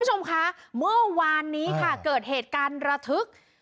คุณผู้ชมคะเมื่อวานนี้ค่ะเกิดเหตุการณ์ระทึก